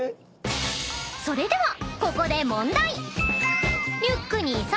［それではここで］